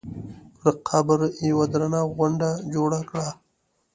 پر قبر یوه درنه غونډه جوړه کړه.